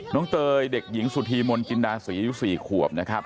น้องเตยเด็กหญิงสุธีมณฑินาศี๔ขวบนะครับ